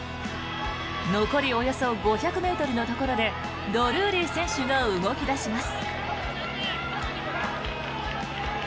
残りおよそ５００ｍのところでドルーリー選手が動き出します。